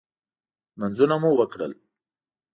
لمنځونه مو وکړل.